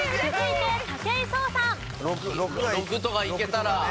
６いけたら。